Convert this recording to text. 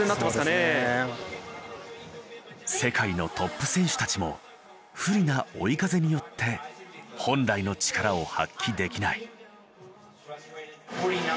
世界のトップ選手たちも不利な追い風によって本来の力を発揮できない。